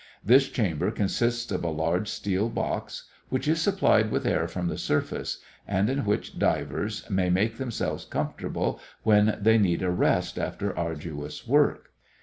This chamber consists of a large steel box which is supplied with air from the surface and in which divers may make themselves comfortable when they need a rest after arduous work.